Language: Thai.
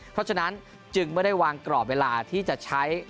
เพราะฉะนั้นจึงไม่ได้วางกรอบเวลาที่จะใช้